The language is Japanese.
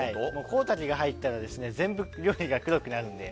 コウタケが入ったら全部料理が黒くなるので。